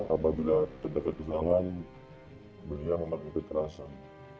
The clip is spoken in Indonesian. apabila terdekat kejalan beliau memakai kekerasan